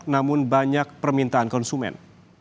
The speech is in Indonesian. namun banyak permintaan konsumen